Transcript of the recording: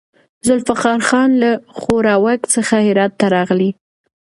ذوالفقار خان له ښوراوک څخه هرات ته راغی.